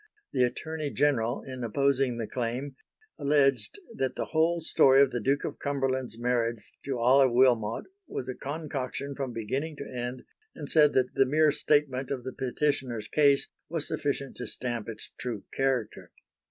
The Attorney General, in opposing the claim, alleged that the whole story of the Duke of Cumberland's marriage to Olive Wilmot was a concoction from beginning to end, and said that the mere statement of the Petitioner's case was sufficient to stamp its true character.